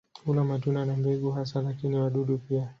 Hula matunda na mbegu hasa lakini wadudu pia.